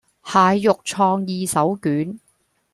蟹肉創意手卷